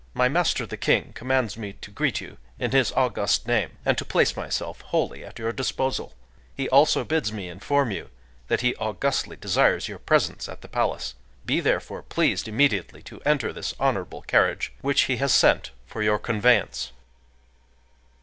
My master, the King, commands me to greet you in his august name, and to place myself wholly at your disposal. He also bids me inform you that he augustly desires your presence at the palace. Be therefore pleased immediately to enter this honorable carriage, which he has sent for your conveyance."